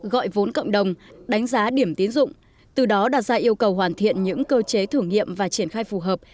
gọi vốn cộng đồng đánh giá điểm tiến dụng từ đó đặt ra yêu cầu hoàn thiện những cơ chế thử nghiệm và triển khai phù hợp